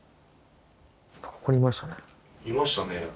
ここにいましたね。